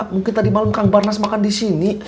mungkin tadi malam kang barnas makan di sini